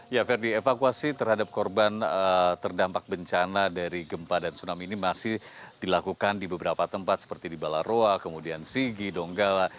ya ferdi evakuasi terhadap korban terdampak bencana dari gempa dan tsunami ini masih dilakukan di beberapa tempat seperti di balaroa kemudian sigi donggala